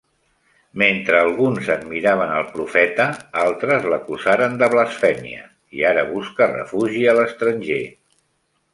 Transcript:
Mentre alguns admiraven el profeta, altres l'acusaren de blasfèmia, i ara busca refugi a l'estranger.